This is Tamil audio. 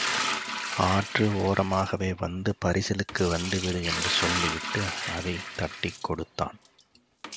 ஆற்று ஓரமாகவே வந்து பரிசலுக்கு வந்துவிடு என்று சொல்லிவிட்டு அதைத் தட்டிக் கொடுத்தான்.